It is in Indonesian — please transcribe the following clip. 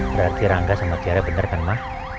berarti rangga sama tiara benar kan ma